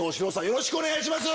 よろしくお願いします。